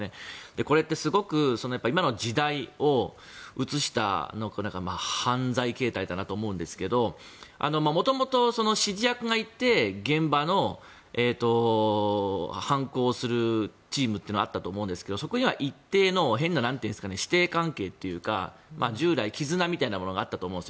これってすごく今の時代を映した犯罪形態だなと思うんですが元々、指示役がいて現場の犯行するチームというのがあったと思うんですけどそこには一定の師弟関係というか従来、絆みたいなものがあったと思うんです。